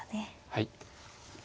はい。